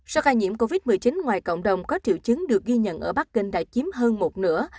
số ca nhiễm covid một mươi chín ngoài cộng đồng có triệu chứng được ghi nhận ở bắc kinh đã chiếm hơn một nửa